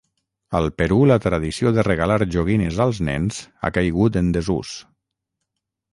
Al Perú la tradició de regalar joguines als nens ha caigut en desús.